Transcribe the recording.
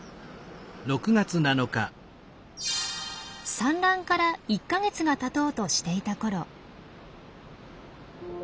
産卵から１か月がたとうとしていたころ。